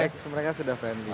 baik sebenarnya sudah friendly